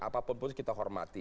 apapun pun kita hormati